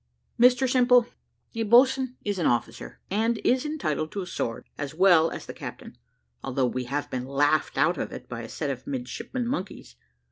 "Mr Simple, a boatswain is an officer, and is entitled to a sword as well as the captain, although we have been laughed out of it by a set of midshipman monkeys.